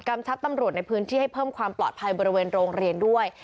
ชับตำรวจในพื้นที่ให้เพิ่มความปลอดภัยบริเวณโรงเรียนด้วย